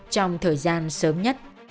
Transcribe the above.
trong thời gian sớm nhất